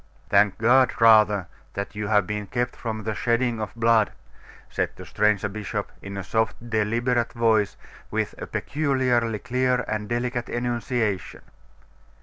'Thank God rather that you have been kept from the shedding of blood,' said the stranger bishop, in a soft, deliberate voice, with a peculiarly clear and delicate enunciation.